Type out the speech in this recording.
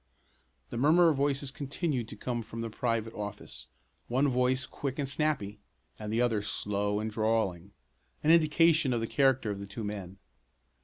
The murmur of voices continued to come from the private office one voice quick and snappy, and the other slow and drawling an indication of the character of the two men.